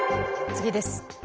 次です。